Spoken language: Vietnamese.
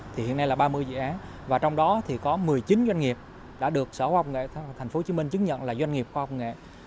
thì hiện nay là ba mươi dự án và trong đó thì có một mươi chín doanh nghiệp đã được sở khoa học nghệ tp hcm chứng nhận là doanh nghiệp khoa học nghệ